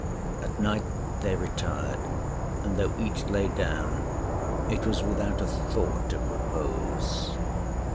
At night they retired, and though each lay down, it was without a thought of repose.